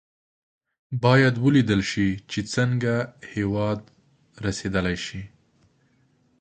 باید ولېدل شي چې هېواد څنګه رسېدای شي.